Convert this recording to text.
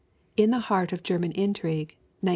In the Heart of German Intrigue, 1918.